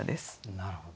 なるほど。